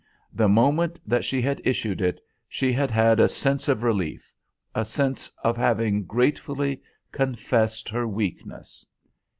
The moment that she had issued it, she had had a sense of relief, a sense of having gratefully confessed her weakness.